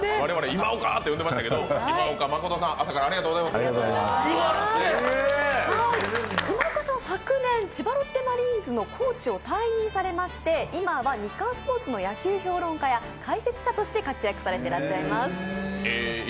今岡さんは昨年千葉ロッテマリーンズのコーチを退任されまして今は「日刊スポーツ」の野球評論家や解説者として活躍されてらっしゃいます。